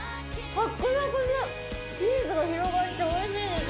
サックサクでチーズが広がっておいしいです